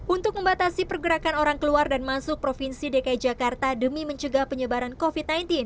untuk membatasi pergerakan orang keluar dan masuk provinsi dki jakarta demi mencegah penyebaran covid sembilan belas